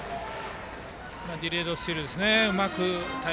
ディレードスチールですね。